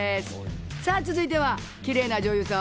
さあ続いてはキレイな女優さん